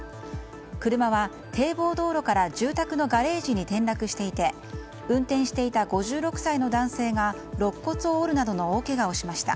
車は堤防道路から住宅のガレージに転落していて運転していた５６歳の男性がろっ骨を折るなどの大けがをしました。